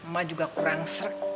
ma juga kurang serg